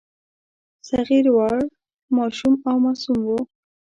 صغیر وړ، ماشوم او معصوم وو.